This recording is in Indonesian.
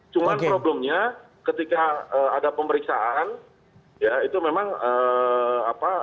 cuman problemnya ketika ada pemeriksaan ya itu memang apa